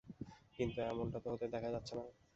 কিন্তু এমনটা তো হতে দেখা যাচ্ছে না।